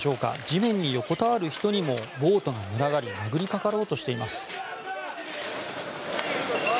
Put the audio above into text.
地面に横たわる人にも暴徒が群がり殴りかかろうとしています。